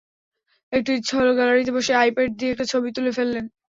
একটু ইচ্ছা হলো গ্যালারিতে বসে আইপ্যাড দিয়ে একটা ছবি তুলে ফেললেন।